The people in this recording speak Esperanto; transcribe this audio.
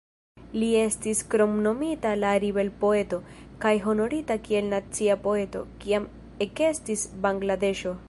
Li estis kromnomita la "ribel-poeto", kaj honorita kiel "nacia poeto" kiam ekestis Bangladeŝo.